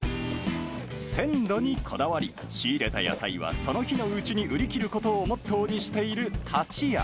鮮度にこだわり、仕入れた野菜はその日のうちに売り切ることをモットーにしているタチヤ。